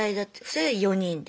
それは４人で？